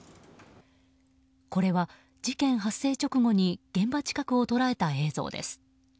これは、事件発生直後に現場近くを捉えた映像です。